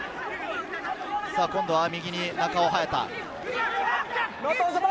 今度は右に中尾隼太。